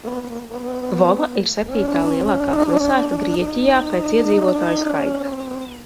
Vola ir septītā lielākā pilsēta Grieķijā pēc iedzīvotāju skaita.